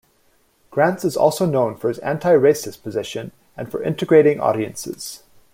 Granz is also known for his anti-racist position and for integrating audiences.